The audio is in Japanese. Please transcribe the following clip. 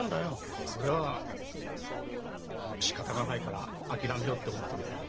いやそれはしかたがないから諦めようって思ったんだよ。